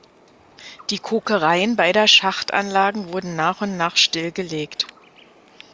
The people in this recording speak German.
Die Kokereien beider Schachtanlagen wurden nach und nach stillgelegt.